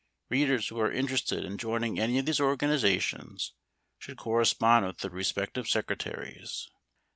Readers who are interested in joining any of these organizations should correspond with the respective secretaries.